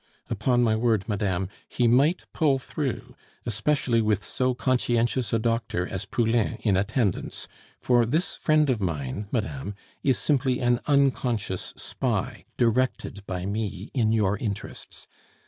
"Upon my word, madame, he might pull through, especially with so conscientious a doctor as Poulain in attendance; for this friend of mine, madame, is simply an unconscious spy directed by me in your interests.